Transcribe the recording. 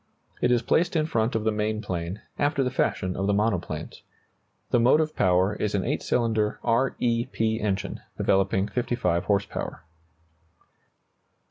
It is placed in front of the main plane, after the fashion of the monoplanes. The motive power is an 8 cylinder R E P engine, developing 55 horse power.